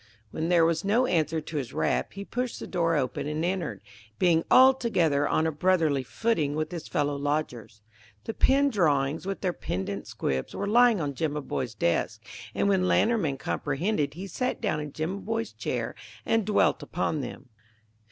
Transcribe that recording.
When there was no answer to his rap he pushed the door open and entered, being altogether on a brotherly footing with his fellow lodgers. The pen drawings with their pendant squibs were lying on Jimaboy's desk; and when Lantermann comprehended he sat down in Jimaboy's chair and dwelt upon them.